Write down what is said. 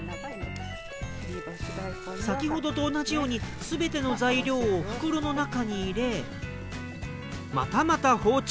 先ほどと同じように全ての材料を袋の中に入れまたまた放置。